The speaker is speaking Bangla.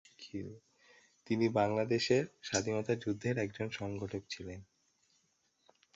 তিনি বাংলাদেশের স্বাধীনতা যুদ্ধের একজন সংগঠক ছিলেন।